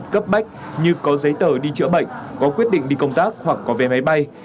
cấp bách như có giấy tờ đi chữa bệnh có quyết định đi công tác hoặc có vé máy bay